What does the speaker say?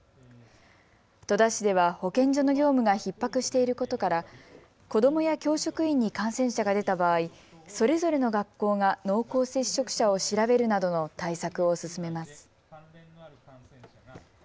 戸田市では保健所の業務がひっ迫していることから子どもや教職員に感染者が出た場合、それぞれの学校が濃厚接触者を調べるなどの対策を進めます。